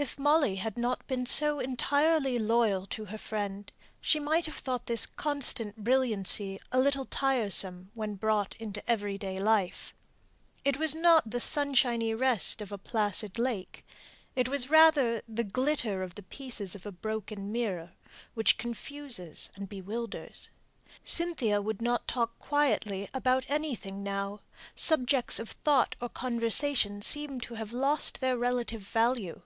If Molly had not been so entirely loyal to her friend, she might have thought this constant brilliancy a little tiresome when brought into every day life; it was not the sunshiny rest of a placid lake, it was rather the glitter of the pieces of a broken mirror, which confuses and bewilders. Cynthia would not talk quietly about anything now; subjects of thought or conversation seemed to have lost their relative value.